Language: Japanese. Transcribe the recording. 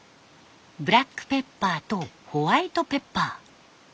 ブラックペッパーとホワイトペッパー。